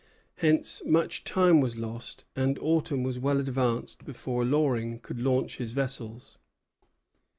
Hence much time was lost, and autumn was well advanced before Loring could launch his vessels.